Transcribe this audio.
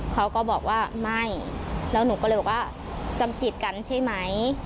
เขาก็บอกว่าไม่แล้วหนูก็เลยบอกว่าจำกิดกันใช่ไหม